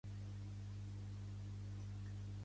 Dalmau González Albiol és un cantant nascut a Olot.